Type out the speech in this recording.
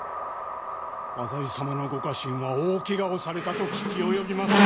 浅井様のご家臣は大けがをされたと聞き及びますが？